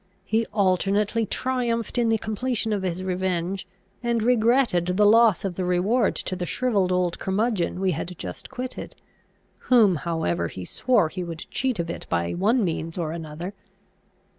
He alternately triumphed in the completion of his revenge, and regretted the loss of the reward to the shrivelled old curmudgeon we had just quitted, whom however he swore he would cheat of it by one means or another.